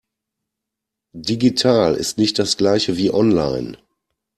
Digital ist nicht das Gleiche wie online.